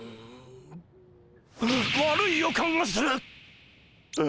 悪い予感がする！